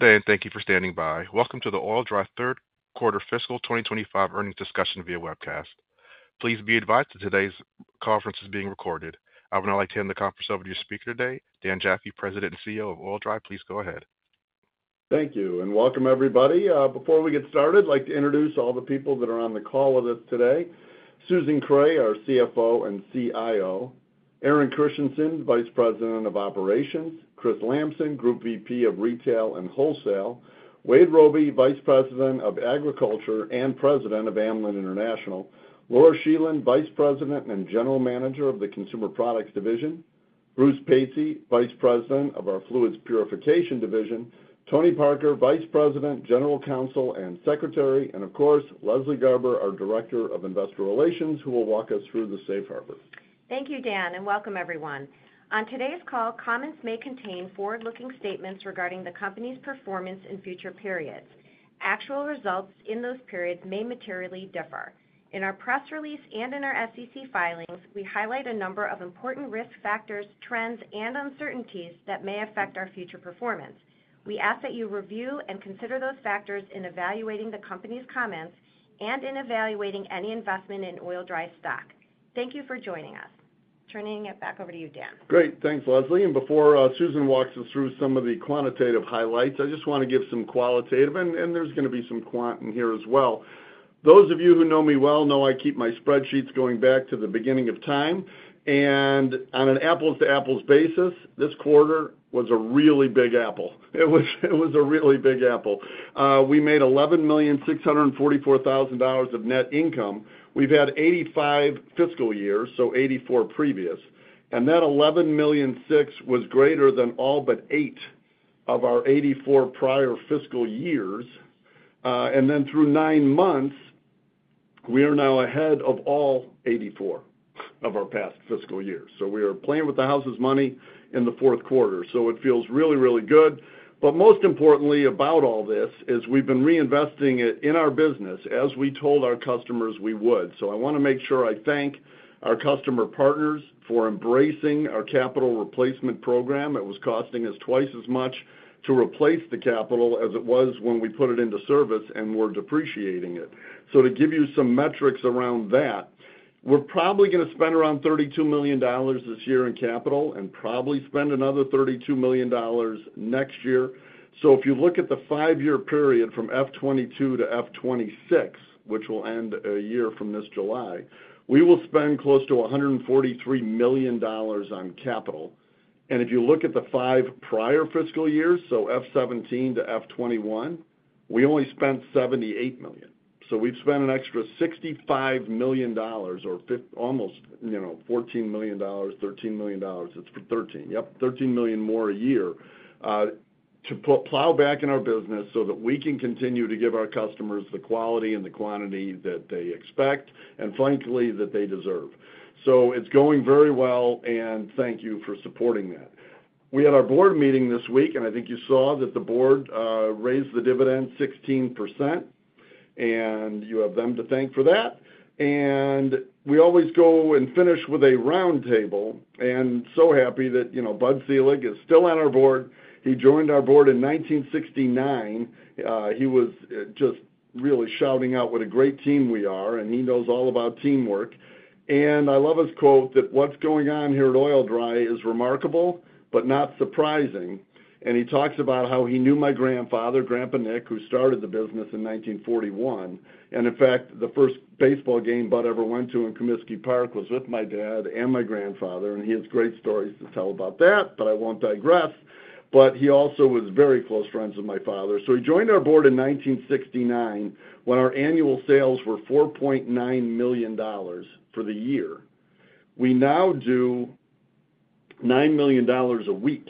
Good day, and thank you for standing by. Welcome to the Oil-Dri 3rd Quarter Fiscal 2025 Earnings Discussion via webcast. Please be advised that today's conference is being recorded. I would now like to hand the conference over to your speaker today, Dan Jaffee, President and CEO of Oil-Dri. Please go ahead. Thank you and welcome everybody. Before we get started, I'd like to introduce all the people that are on the call with us today: Susan Kreh, our CFO and CIO; Aaron Christiansen, Vice President of Operations; Chris Lamson, Group VP of Retail and Wholesale; Wade Robey, Vice President of Agriculture and President of Amlan International; Laura Scheland, Vice President and General Manager of the Consumer Products Division; Bruce Patsey, Vice President of our Fluids Purification Division; Tony Parker, Vice President, General Counsel, and Secretary; and of course, Leslie Garber, our Director of Investor Relations, who will walk us through the safe harbor. Thank you, Dan, and welcome everyone. On today's call, comments may contain forward-looking statements regarding the company's performance in future periods. Actual results in those periods may materially differ. In our press release and in our SEC filings, we highlight a number of important risk factors, trends, and uncertainties that may affect our future performance. We ask that you review and consider those factors in evaluating the company's comments and in evaluating any investment in Oil-Dri stock. Thank you for joining us. Turning it back over to you, Dan. Great, thanks, Leslie. Before Susan walks us through some of the quantitative highlights, I just want to give some qualitative, and there is going to be some quant in here as well. Those of you who know me well know I keep my spreadsheets going back to the beginning of time. On an apples-to-apples basis, this quarter was a really big apple. It was a really big apple. We made $11,644,000 of net income. We have had 85 fiscal years, so 84 previous. That $11.6 million was greater than all but eight of our 84 prior fiscal years. Through nine months, we are now ahead of all 84 of our past fiscal years. We are playing with the house's money in the fourth quarter. It feels really, really good. Most importantly about all this is we've been reinvesting it in our business as we told our customers we would. I want to make sure I thank our customer partners for embracing our capital replacement program. It was costing us twice as much to replace the capital as it was when we put it into service and were depreciating it. To give you some metrics around that, we're probably going to spend around $32 million this year in capital and probably spend another $32 million next year. If you look at the five-year period from F2022-F2026, which will end a year from this July, we will spend close to $143 million on capital. If you look at the five prior fiscal years, so F2017-F2021, we only spent $78 million. We've spent an extra $65 million or almost, you know, $14 million, $13 million. It's for 13. Yep, $13 million more a year to plow back in our business so that we can continue to give our customers the quality and the quantity that they expect and, frankly, that they deserve. It's going very well, and thank you for supporting that. We had our board meeting this week, and I think you saw that the board raised the dividend 16%, and you have them to thank for that. We always go and finish with a round table. I'm so happy that, you know, Bud Selig is still on our board. He joined our board in 1969. He was just really shouting out what a great team we are, and he knows all about teamwork. I love his quote that what's going on here at Oil-Dri is remarkable but not surprising. He talks about how he knew my grandfather, Grandpa Nick, who started the business in 1941. In fact, the first baseball game Bud ever went to in Comiskey Park was with my dad and my grandfather, and he has great stories to tell about that, but I won't digress. He also was very close friends with my father. He joined our board in 1969 when our annual sales were $4.9 million for the year. We now do $9 million a week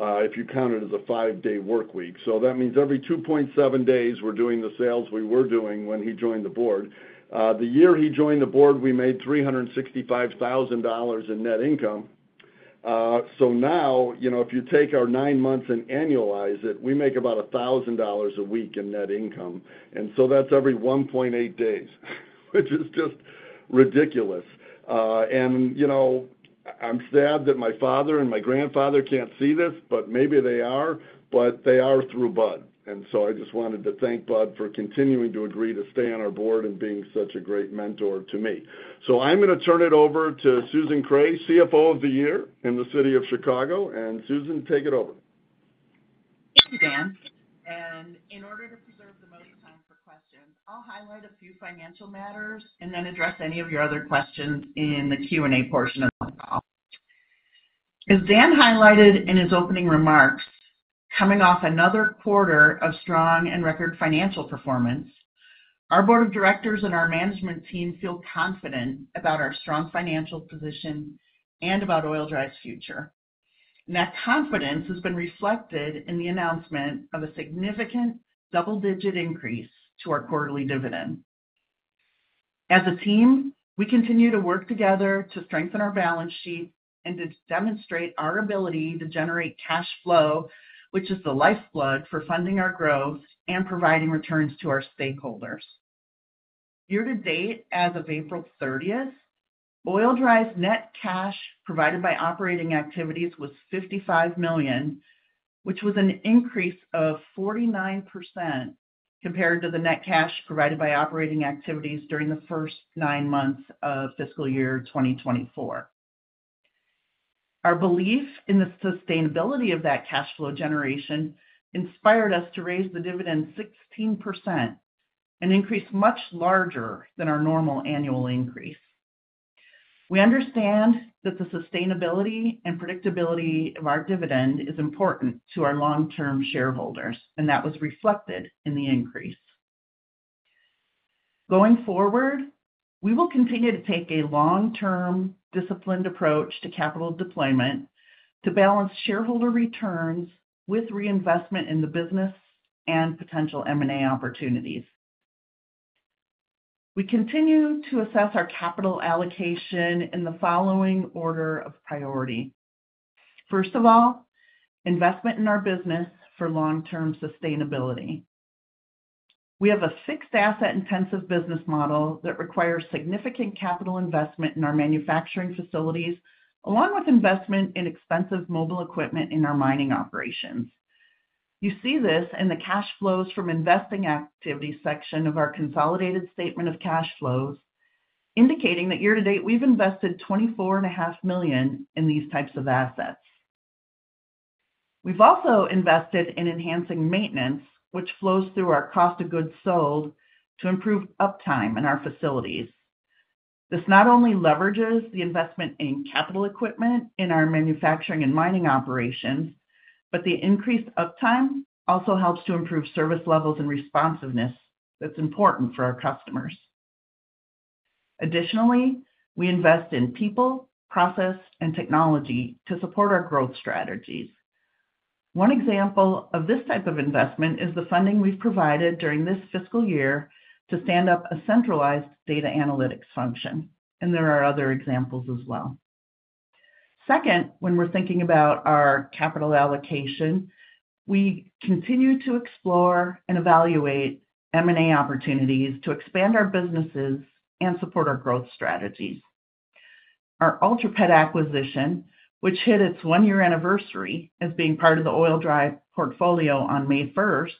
if you count it as a five-day work week. That means every 2.7 days we're doing the sales we were doing when he joined the board. The year he joined the board, we made $365,000 in net income. Now, you know, if you take our nine months and annualize it, we make about $1,000 a week in net income. And that is every 1.8 days, which is just ridiculous. You know, I'm sad that my father and my grandfather can't see this, but maybe they are, but they are through Bud. I just wanted to thank Bud for continuing to agree to stay on our board and being such a great mentor to me. I'm going to turn it over to Susan Kreh, CFO of the Year in the City of Chicago. Susan, take it over. Thank you, Dan. In order to preserve the most time for questions, I'll highlight a few financial matters and then address any of your other questions in the Q&A portion of the call. As Dan highlighted in his opening remarks, coming off another quarter of strong and record financial performance, our board of directors and our management team feel confident about our strong financial position and about Oil-Dri's future. That confidence has been reflected in the announcement of a significant double-digit increase to our quarterly dividend. As a team, we continue to work together to strengthen our balance sheet and to demonstrate our ability to generate cash flow, which is the lifeblood for funding our growth and providing returns to our stakeholders. Year to date, as of April 30th, Oil-Dri's net cash provided by operating activities was $55 million, which was an increase of 49% compared to the net cash provided by operating activities during the first nine months of fiscal year 2024. Our belief in the sustainability of that cash flow generation inspired us to raise the dividend 16%, an increase much larger than our normal annual increase. We understand that the sustainability and predictability of our dividend is important to our long-term shareholders, and that was reflected in the increase. Going forward, we will continue to take a long-term disciplined approach to capital deployment to balance shareholder returns with reinvestment in the business and potential M&A opportunities. We continue to assess our capital allocation in the following order of priority. First of all, investment in our business for long-term sustainability. We have a fixed asset intensive business model that requires significant capital investment in our manufacturing facilities, along with investment in expensive mobile equipment in our mining operations. You see this in the cash flows from investing activity section of our consolidated statement of cash flows, indicating that year to date we've invested $24.5 million in these types of assets. We've also invested in enhancing maintenance, which flows through our cost of goods sold to improve uptime in our facilities. This not only leverages the investment in capital equipment in our manufacturing and mining operations, but the increased uptime also helps to improve service levels and responsiveness that's important for our customers. Additionally, we invest in people, process, and technology to support our growth strategies. One example of this type of investment is the funding we've provided during this fiscal year to stand up a centralized data analytics function. There are other examples as well. Second, when we're thinking about our capital allocation, we continue to explore and evaluate M&A opportunities to expand our businesses and support our growth strategies. Our Ultra Pet acquisition, which hit its one-year anniversary as being part of the Oil-Dri portfolio on May 1st,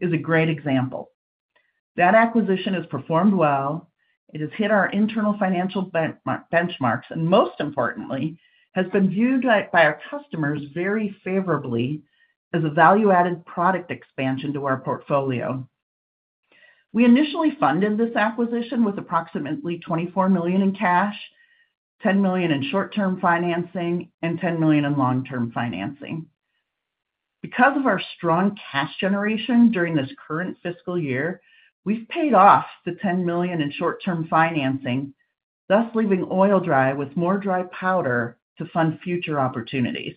is a great example. That acquisition has performed well. It has hit our internal financial benchmarks and, most importantly, has been viewed by our customers very favorably as a value-added product expansion to our portfolio. We initially funded this acquisition with approximately $24 million in cash, $10 million in short-term financing, and $10 million in long-term financing. Because of our strong cash generation during this current fiscal year, we've paid off the $10 million in short-term financing, thus leaving Oil-Dri with more dry powder to fund future opportunities.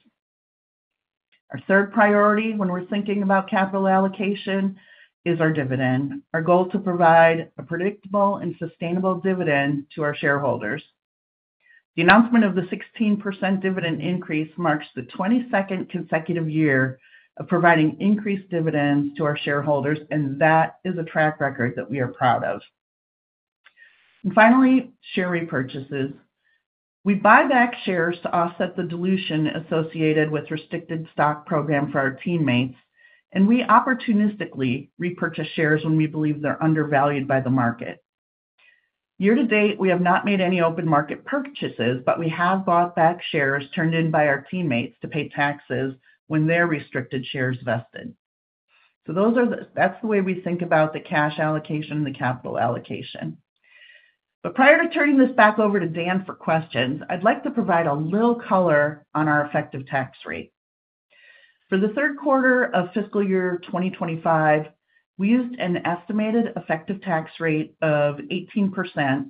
Our third priority when we're thinking about capital allocation is our dividend, our goal to provide a predictable and sustainable dividend to our shareholders. The announcement of the 16% dividend increase marks the 22nd consecutive year of providing increased dividends to our shareholders, and that is a track record that we are proud of. Finally, share repurchases. We buy back shares to offset the dilution associated with restricted stock program for our teammates, and we opportunistically repurchase shares when we believe they're undervalued by the market. Year to date, we have not made any open market purchases, but we have bought back shares turned in by our teammates to pay taxes when their restricted shares vested. Those are the way we think about the cash allocation and the capital allocation. Prior to turning this back over to Dan for questions, I'd like to provide a little color on our effective tax rate. For the third quarter of fiscal year 2025, we used an estimated effective tax rate of 18%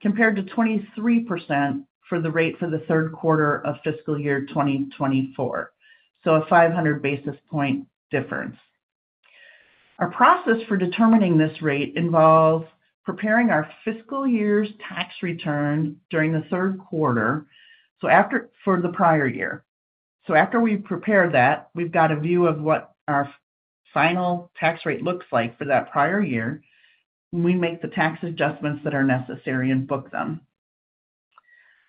compared to 23% for the rate for the third quarter of fiscal year 2024, so a 500 basis point difference. Our process for determining this rate involves preparing our fiscal year's tax return during the third quarter, for the prior year. After we prepare that, we've got a view of what our final tax rate looks like for that prior year. We make the tax adjustments that are necessary and book them.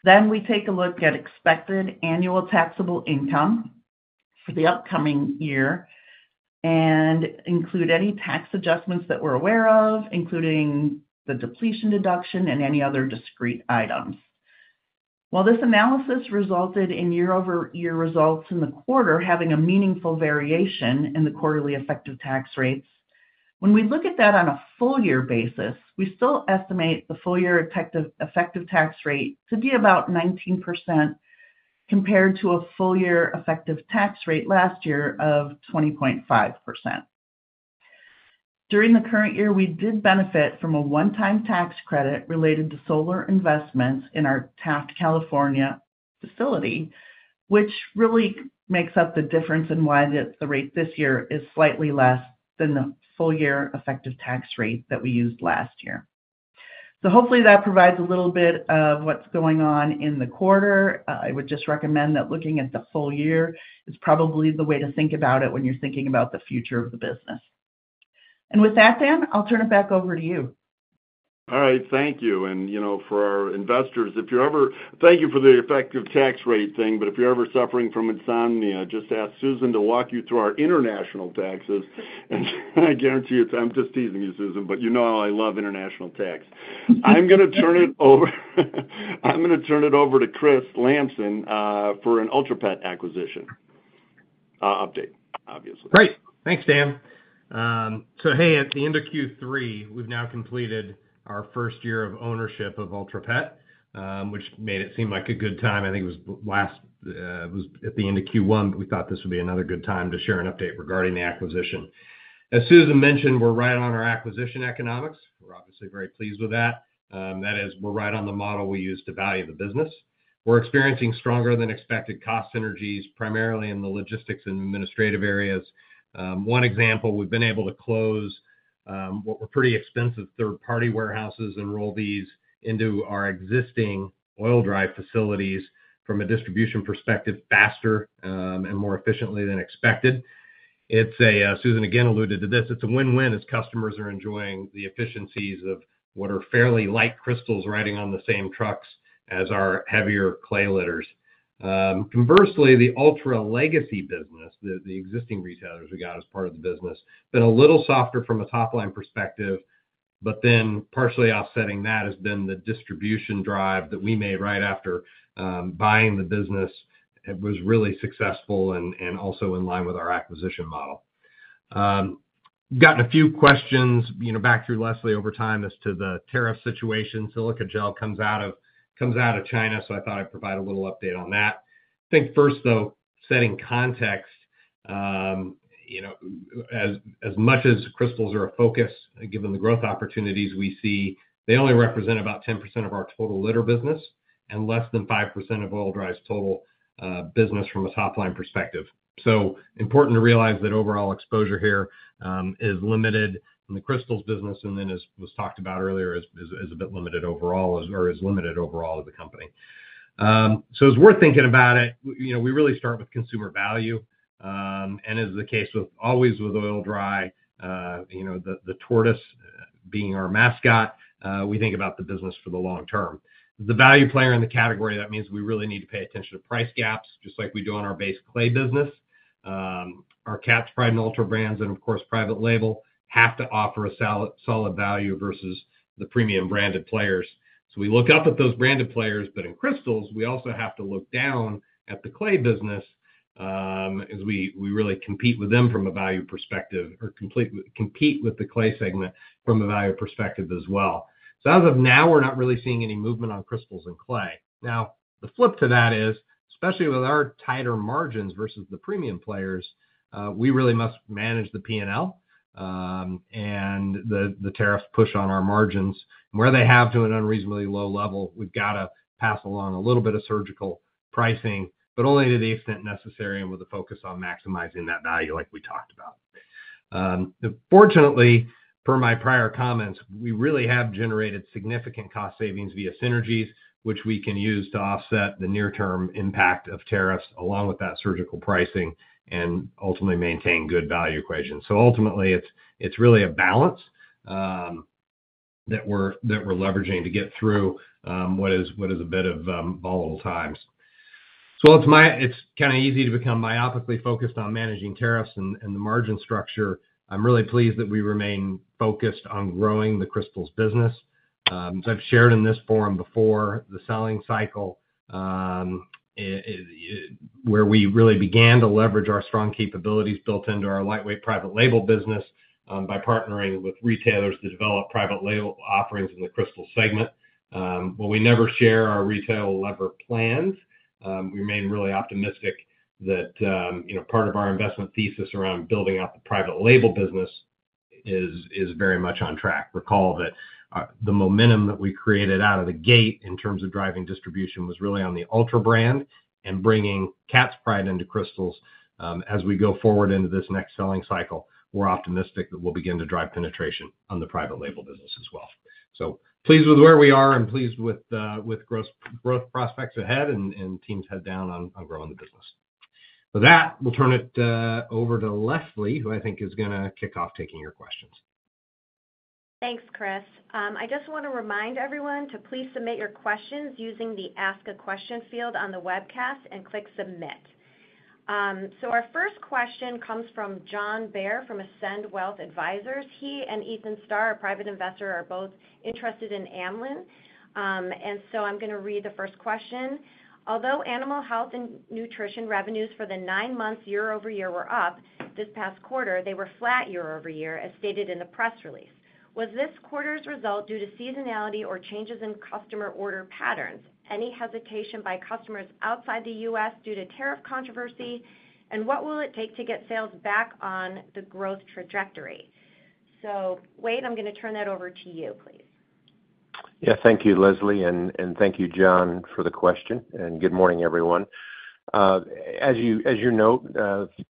We take a look at expected annual taxable income for the upcoming year and include any tax adjustments that we're aware of, including the depletion deduction and any other discrete items. While this analysis resulted in year-over-year results in the quarter having a meaningful variation in the quarterly effective tax rates, when we look at that on a full-year basis, we still estimate the full-year effective tax rate to be about 19% compared to a full-year effective tax rate last year of 20.5%. During the current year, we did benefit from a one-time tax credit related to solar investments in our Taft, California facility, which really makes up the difference in why the rate this year is slightly less than the full-year effective tax rate that we used last year. Hopefully that provides a little bit of what's going on in the quarter. I would just recommend that looking at the full year is probably the way to think about it when you're thinking about the future of the business. With that, Dan, I'll turn it back over to you. All right. Thank you. And, you know, for our investors, if you ever—thank you for the effective tax rate thing, but if you're ever suffering from insomnia, just ask Susan to walk you through our international taxes. And I guarantee you, I'm just teasing you, Susan, but you know how I love international tax. I'm going to turn it over—I'm going to turn it over to Chris Lamson for an Ultra Pet acquisition update, obviously. Great. Thanks, Dan. Hey, at the end of Q3, we have now completed our first year of ownership of Ultra Pet, which made it seem like a good time. I think it was last—it was at the end of Q1, but we thought this would be another good time to share an update regarding the acquisition. As Susan mentioned, we are right on our acquisition economics. We are obviously very pleased with that. That is, we are right on the model we use to value the business. We are experiencing stronger-than-expected cost synergies, primarily in the logistics and administrative areas. One example, we have been able to close what were pretty expensive third-party warehouses and roll these into our existing Oil-Dri facilities from a distribution perspective faster and more efficiently than expected. It's a—Susan again alluded to this—it's a win-win as customers are enjoying the efficiencies of what are fairly light crystals riding on the same trucks as our heavier clay litters. Conversely, the Ultra Legacy business, the existing retailers we got as part of the business, been a little softer from a top-line perspective, but then partially offsetting that has been the distribution drive that we made right after buying the business. It was really successful and also in line with our acquisition model. We've gotten a few questions, you know, back through Leslie over time as to the tariff situation. Silica gel comes out of China, so I thought I'd provide a little update on that. I think first, though, setting context, you know, as much as crystals are a focus, given the growth opportunities we see, they only represent about 10% of our total litter business and less than 5% of Oil-Dri's total business from a top-line perspective. Important to realize that overall exposure here is limited in the crystals business, and then, as was talked about earlier, is a bit limited overall or is limited overall as a company. It is worth thinking about it. You know, we really start with consumer value. And as is the case always with Oil-Dri, you know, the tortoise being our mascot, we think about the business for the long term. As the value player in the category, that means we really need to pay attention to price gaps, just like we do on our base clay business. Our capped private Ultra brands and, of course, private label have to offer a solid value versus the premium branded players. We look up at those branded players, but in crystals, we also have to look down at the clay business as we really compete with them from a value perspective or compete with the clay segment from a value perspective as well. As of now, we're not really seeing any movement on crystals and clay. The flip to that is, especially with our tighter margins versus the premium players, we really must manage the P&L and the tariff push on our margins. Where they have to an unreasonably low level, we've got to pass along a little bit of surgical pricing, but only to the extent necessary and with a focus on maximizing that value like we talked about. Fortunately, per my prior comments, we really have generated significant cost savings via synergies, which we can use to offset the near-term impact of tariffs along with that surgical pricing and ultimately maintain good value equation. Ultimately, it is really a balance that we are leveraging to get through what is a bit of volatile times. It is kind of easy to become myopically focused on managing tariffs and the margin structure. I am really pleased that we remain focused on growing the crystals business. I have shared in this forum before the selling cycle where we really began to leverage our strong capabilities built into our lightweight private label business by partnering with retailers to develop private label offerings in the crystal segment. While we never share our retail lever plans, we remain really optimistic that, you know, part of our investment thesis around building out the private label business is very much on track. Recall that the momentum that we created out of the gate in terms of driving distribution was really on the Ultra brand and bringing Cat's Pride into crystals as we go forward into this next selling cycle. We're optimistic that we'll begin to drive penetration on the private label business as well. Pleased with where we are and pleased with growth prospects ahead and teams head down on growing the business. With that, we'll turn it over to Leslie, who I think is going to kick off taking your questions. Thanks, Chris. I just want to remind everyone to please submit your questions using the Ask a Question field on the webcast and click submit. Our first question comes from John Baer from Ascend Wealth Advisors. He and Ethan Starr, a private investor, are both interested in Amlan. I'm going to read the first question. Although animal health and nutrition revenues for the nine-month year-over-year were up this past quarter, they were flat year-over-year, as stated in the press release. Was this quarter's result due to seasonality or changes in customer order patterns? Any hesitation by customers outside the U.S. due to tariff controversy? What will it take to get sales back on the growth trajectory? Wade, I'm going to turn that over to you, please. Yeah, thank you, Leslie, and thank you, John, for the question. Good morning, everyone. As you note,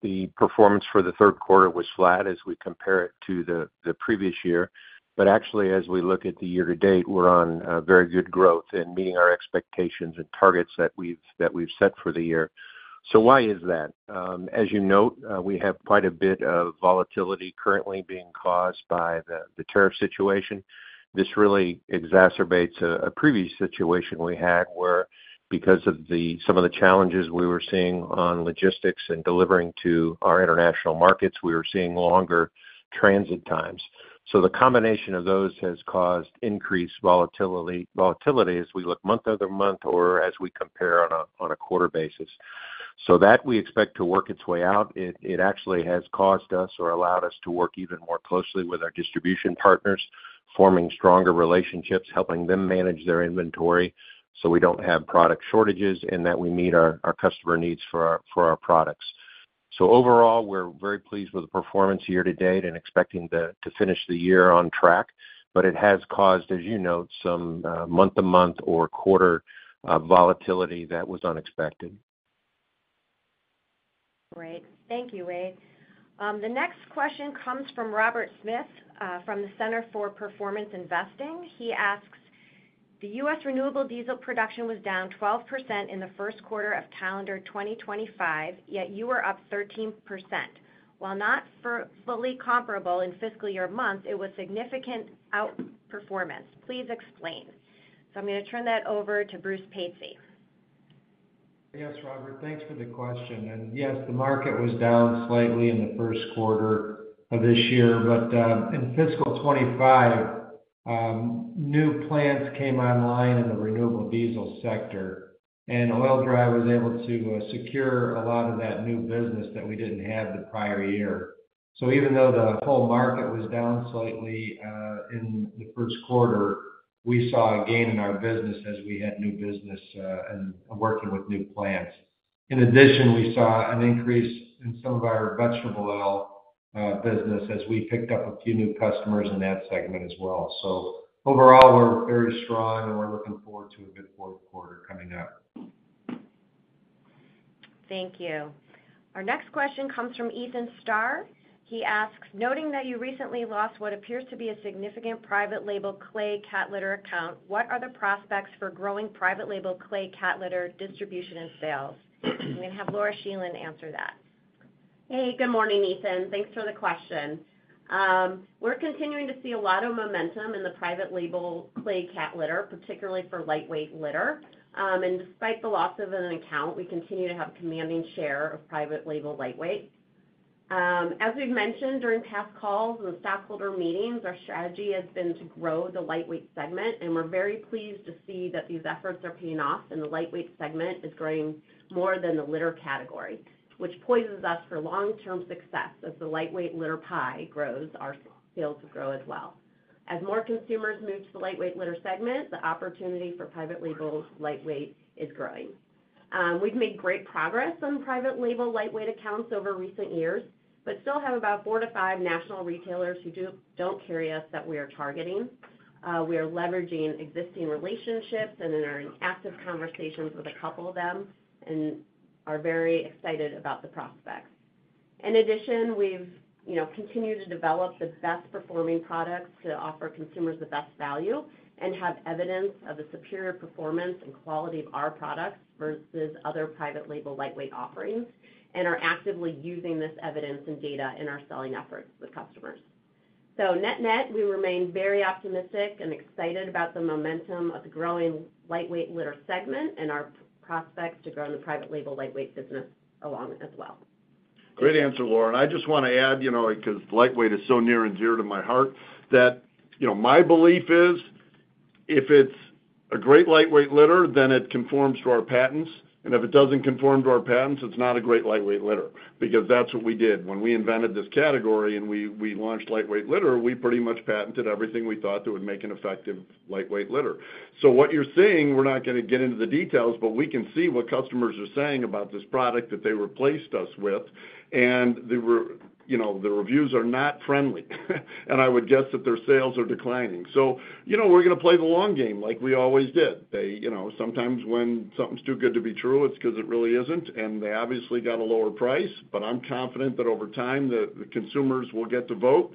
the performance for the third quarter was flat as we compare it to the previous year. Actually, as we look at the year-to-date, we're on very good growth and meeting our expectations and targets that we've set for the year. Why is that? As you note, we have quite a bit of volatility currently being caused by the tariff situation. This really exacerbates a previous situation we had where, because of some of the challenges we were seeing on logistics and delivering to our international markets, we were seeing longer transit times. The combination of those has caused increased volatility as we look month-over-month or as we compare on a quarter basis. That we expect to work its way out. It actually has caused us or allowed us to work even more closely with our distribution partners, forming stronger relationships, helping them manage their inventory so we do not have product shortages and that we meet our customer needs for our products. Overall, we are very pleased with the performance year-to-date and expecting to finish the year on track, but it has caused, as you note, some month-to-month or quarter volatility that was unexpected. Great. Thank you, Wade. The next question comes from Robert Smith from the Center for Performance Investing. He asks, "The U.S. renewable diesel production was down 12% in the first quarter of calendar 2025, yet you were up 13%. While not fully comparable in fiscal year months, it was significant outperformance. Please explain." I am going to turn that over to Bruce Patsey. Yes, Robert. Thanks for the question. Yes, the market was down slightly in the first quarter of this year, but in fiscal 2025, new plants came online in the renewable diesel sector, and Oil-Dri was able to secure a lot of that new business that we did not have the prior year. Even though the whole market was down slightly in the first quarter, we saw a gain in our business as we had new business and were working with new plants. In addition, we saw an increase in some of our vegetable oil business as we picked up a few new customers in that segment as well. Overall, we are very strong and we are looking forward to a good fourth quarter coming up. Thank you. Our next question comes from Ethan Starr. He asks, "Noting that you recently lost what appears to be a significant private label clay cat litter account, what are the prospects for growing private label clay cat litter distribution and sales?" I'm going to have Laura Scheland answer that. Hey, good morning, Ethan. Thanks for the question. We're continuing to see a lot of momentum in the private label clay cat litter, particularly for lightweight litter. Despite the loss of an account, we continue to have a commanding share of private label lightweight. As we've mentioned during past calls and stockholder meetings, our strategy has been to grow the lightweight segment, and we're very pleased to see that these efforts are paying off and the lightweight segment is growing more than the litter category, which poises us for long-term success. As the lightweight litter pie grows, our sales will grow as well. As more consumers move to the lightweight litter segment, the opportunity for private label lightweight is growing. We've made great progress on private label lightweight accounts over recent years, but still have about four to five national retailers who don't carry us that we are targeting. We are leveraging existing relationships and are in active conversations with a couple of them and are very excited about the prospects. In addition, we've continued to develop the best-performing products to offer consumers the best value and have evidence of the superior performance and quality of our products versus other private label lightweight offerings and are actively using this evidence and data in our selling efforts with customers. Net-net, we remain very optimistic and excited about the momentum of the growing lightweight litter segment and our prospects to grow in the private label lightweight business along as well. Great answer, Lauren. I just want to add, you know, because lightweight is so near and dear to my heart that, you know, my belief is if it's a great lightweight litter, then it conforms to our patents. And if it doesn't conform to our patents, it's not a great lightweight litter because that's what we did. When we invented this category and we launched lightweight litter, we pretty much patented everything we thought that would make an effective lightweight litter. So what you're seeing, we're not going to get into the details, but we can see what customers are saying about this product that they replaced us with. And the reviews are not friendly. I would guess that their sales are declining. You know, we're going to play the long game like we always did. You know, sometimes when something's too good to be true, it's because it really isn't. They obviously got a lower price, but I'm confident that over time the consumers will get to vote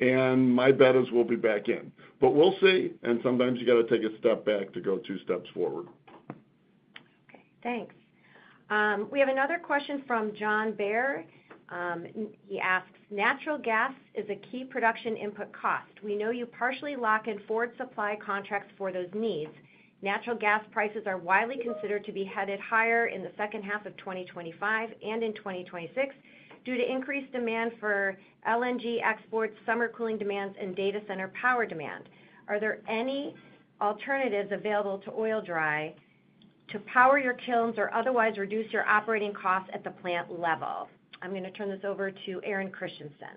and my bet is we'll be back in. We'll see. Sometimes you got to take a step back to go two steps forward. Okay. Thanks. We have another question from John Baer. He asks, "Natural gas is a key production input cost. We know you partially lock in forward supply contracts for those needs. Natural gas prices are widely considered to be headed higher in the second half of 2025 and in 2026 due to increased demand for LNG exports, summer cooling demands, and data center power demand. Are there any alternatives available to Oil-Dri to power your kilns or otherwise reduce your operating costs at the plant level?" I'm going to turn this over to Aaron Christiansen.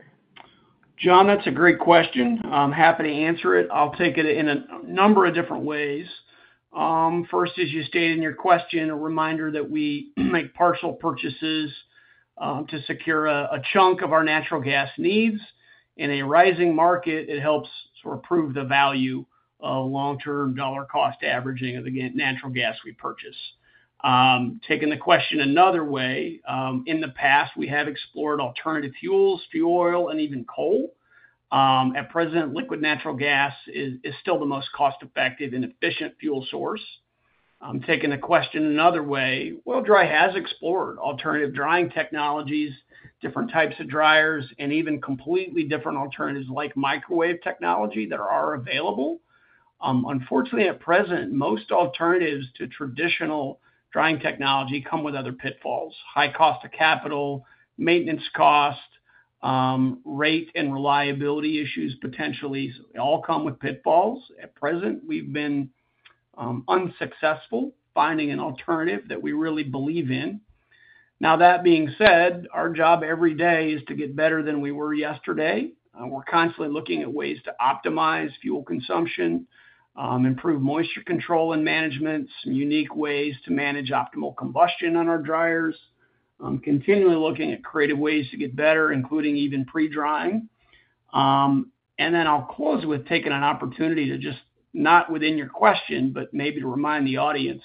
John, that's a great question. I'm happy to answer it. I'll take it in a number of different ways. First, as you stated in your question, a reminder that we make partial purchases to secure a chunk of our natural gas needs. In a rising market, it helps to improve the value of long-term dollar cost averaging of the natural gas we purchase. Taking the question another way, in the past, we have explored alternative fuels, fuel oil, and even coal. At present, liquid natural gas is still the most cost-effective and efficient fuel source. Taking the question another way, Oil-Dri has explored alternative drying technologies, different types of dryers, and even completely different alternatives like microwave technology that are available. Unfortunately, at present, most alternatives to traditional drying technology come with other pitfalls: high cost of capital, maintenance cost, rate and reliability issues potentially. All come with pitfalls. At present, we've been unsuccessful finding an alternative that we really believe in. Now, that being said, our job every day is to get better than we were yesterday. We're constantly looking at ways to optimize fuel consumption, improve moisture control and management, some unique ways to manage optimal combustion on our dryers, continually looking at creative ways to get better, including even pre-drying. I will close with taking an opportunity to just, not within your question, but maybe to remind the audience,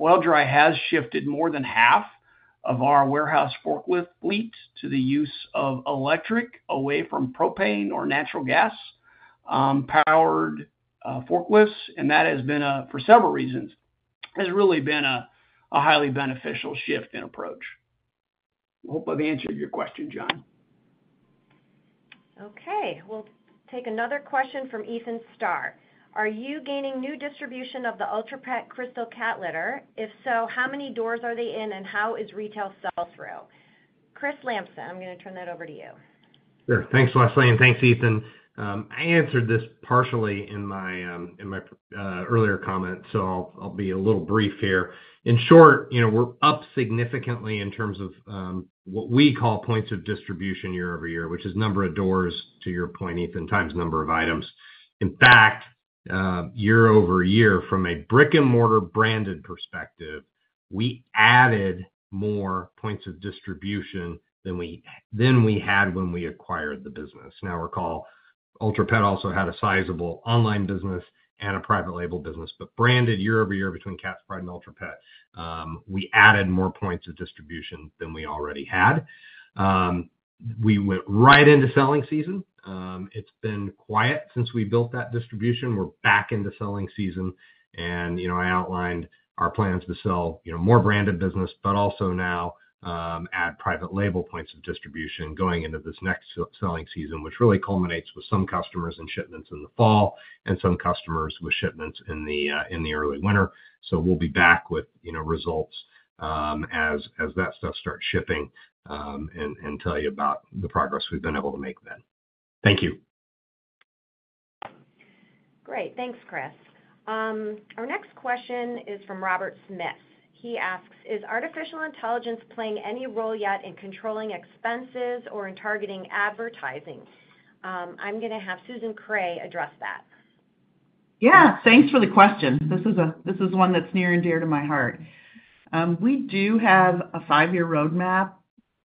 Oil-Dri has shifted more than half of our warehouse forklift fleet to the use of electric away from propane or natural gas-powered forklifts. That has been, for several reasons, has really been a highly beneficial shift in approach. Hope I've answered your question, John. Okay. We'll take another question from Ethan Starr. "Are you gaining new distribution of the Ultra Pet crystal cat litter? If so, how many doors are they in and how is retail sell-through?" Chris Lamson, I'm going to turn that over to you. Sure. Thanks, Leslie, and thanks, Ethan. I answered this partially in my earlier comment, so I'll be a little brief here. In short, you know, we're up significantly in terms of what we call points of distribution year-over-year, which is number of doors, to your point, Ethan, times number of items. In fact, year-over-year, from a brick-and-mortar branded perspective, we added more points of distribution than we had when we acquired the business. Now, recall, Ultra Pet also had a sizable online business and a private label business, but branded year-over-year between Cat's Pride and Ultra Pet, we added more points of distribution than we already had. We went right into selling season. It's been quiet since we built that distribution. We're back into selling season. I outlined our plans to sell, you know, more branded business, but also now add private label points of distribution going into this next selling season, which really culminates with some customers in shipments in the fall and some customers with shipments in the early winter. We will be back with results as that stuff starts shipping and tell you about the progress we have been able to make then. Thank you. Great. Thanks, Chris. Our next question is from Robert Smith. He asks, "Is artificial intelligence playing any role yet in controlling expenses or in targeting advertising?" I'm going to have Susan Kreh address that. Yeah. Thanks for the question. This is one that's near and dear to my heart. We do have a five-year roadmap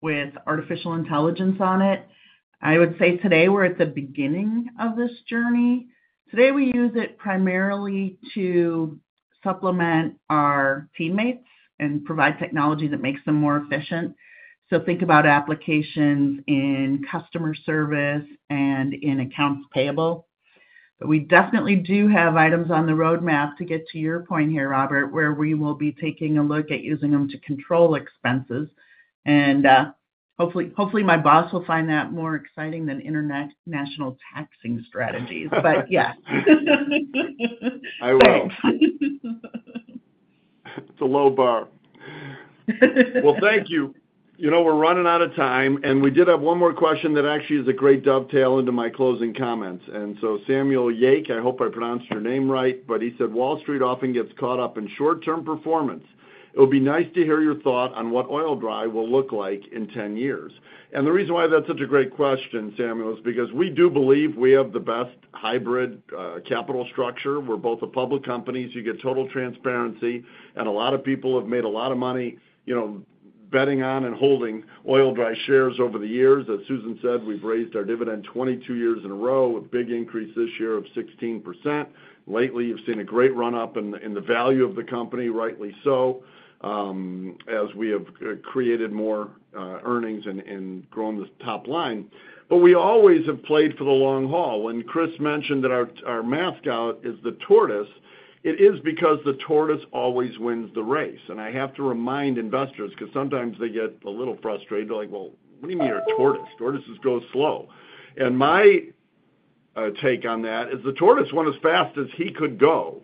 with artificial intelligence on it. I would say today we're at the beginning of this journey. Today we use it primarily to supplement our teammates and provide technology that makes them more efficient. Think about applications in customer service and in accounts payable. We definitely do have items on the roadmap to get to your point here, Robert, where we will be taking a look at using them to control expenses. Hopefully my boss will find that more exciting than international taxing strategies. Yes. I will. It's a low bar. Thank you. You know, we're running out of time, and we did have one more question that actually is a great dovetail into my closing comments. Samuel Yake, I hope I pronounced your name right, but he said, "Wall Street often gets caught up in short-term performance. It would be nice to hear your thought on what Oil-Dri will look like in 10 years." The reason why that's such a great question, Samuel, is because we do believe we have the best hybrid capital structure. We're both a public company. You get total transparency. A lot of people have made a lot of money, you know, betting on and holding Oil-Dri shares over the years. As Susan said, we've raised our dividend 22 years in a row with a big increase this year of 16%. Lately, you've seen a great run-up in the value of the company, rightly so, as we have created more earnings and grown the top line. We always have played for the long haul. When Chris mentioned that our mascot is the tortoise, it is because the tortoise always wins the race. I have to remind investors because sometimes they get a little frustrated. They're like, "What do you mean you're a tortoise? Tortoises go slow." My take on that is the tortoise went as fast as he could go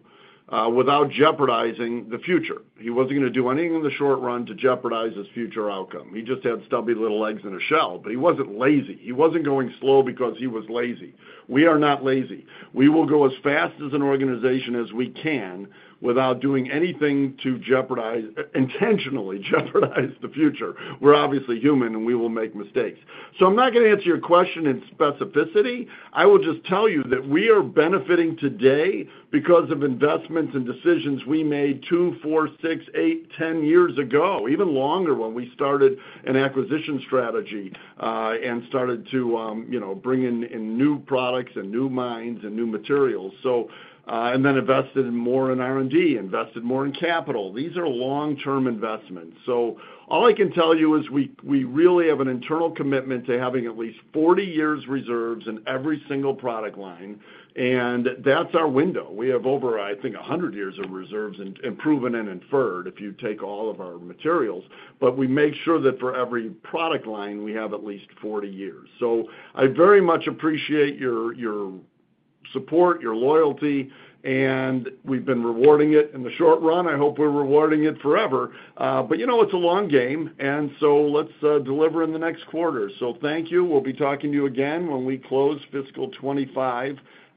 without jeopardizing the future. He wasn't going to do anything in the short run to jeopardize his future outcome. He just had stubby little legs and a shell. He wasn't lazy. He wasn't going slow because he was lazy. We are not lazy. We will go as fast as an organization as we can without doing anything to jeopardize, intentionally jeopardize the future. We're obviously human and we will make mistakes. I'm not going to answer your question in specificity. I will just tell you that we are benefiting today because of investments and decisions we made two, four, six, eight, 10 years ago, even longer when we started an acquisition strategy and started to, you know, bring in new products and new minds and new materials. And then invested more in R&D, invested more in capital. These are long-term investments. All I can tell you is we really have an internal commitment to having at least 40 years' reserves in every single product line. That's our window. We have over, I think, 100 years of reserves in proven and inferred if you take all of our materials. But we make sure that for every product line, we have at least 40 years. I very much appreciate your support, your loyalty, and we've been rewarding it in the short run. I hope we're rewarding it forever. You know, it's a long game. Let's deliver in the next quarter. Thank you. We'll be talking to you again when we close fiscal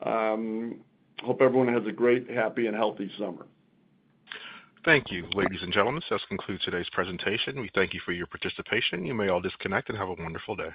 2025. Hope everyone has a great, happy, and healthy summer. Thank you, ladies and gentlemen. This concludes today's presentation. We thank you for your participation. You may all disconnect and have a wonderful day.